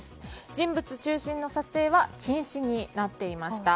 人物中心の撮影は禁止になっていました。